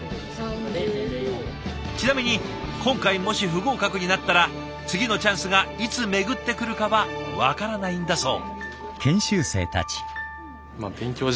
ちなみに今回もし不合格になったら次のチャンスがいつ巡ってくるかは分からないんだそう。